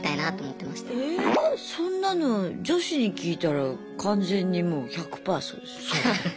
えそんなの女子に聞いたら完全にもう１００パーそうですよ。